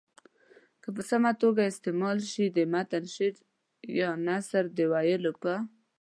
که په سمه توګه استعمال سي د متن شعر یا نثر د ویلو په